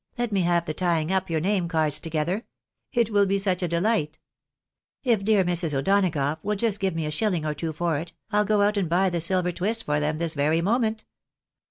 let me have the tying up your name cards together ! It will be such a delight. If dear Mrs A VERY HARD CASE. O'Donagough will just give me a sliilling or Wo for it, I'll go out and buy the silver twist for them this very moment.